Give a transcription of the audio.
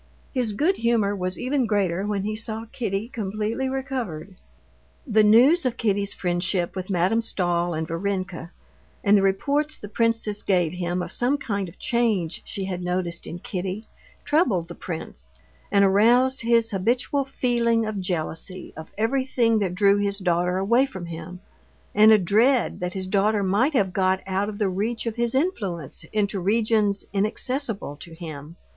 His good humor was even greater when he saw Kitty completely recovered. The news of Kitty's friendship with Madame Stahl and Varenka, and the reports the princess gave him of some kind of change she had noticed in Kitty, troubled the prince and aroused his habitual feeling of jealousy of everything that drew his daughter away from him, and a dread that his daughter might have got out of the reach of his influence into regions inaccessible to him.